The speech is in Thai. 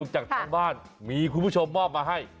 จากทางบ้านมีคุณผู้ชมมอบมาให้